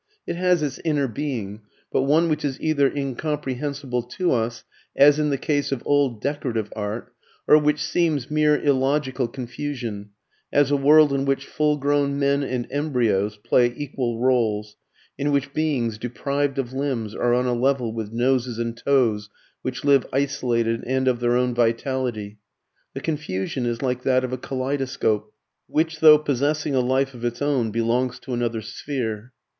It has its inner being, but one which is either incomprehensible to us, as in the case of old decorative art, or which seems mere illogical confusion, as a world in which full grown men and embryos play equal roles, in which beings deprived of limbs are on a level with noses and toes which live isolated and of their own vitality. The confusion is like that of a kaleidoscope, which though possessing a life of its own, belongs to another sphere.